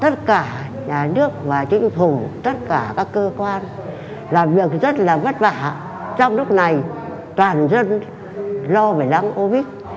trong lúc này toàn dân lo về lắng covid